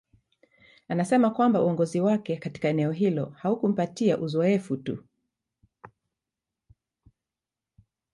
Anasema kwamba uongozi wake katika eneo hilo haukumpatia uzoefu tu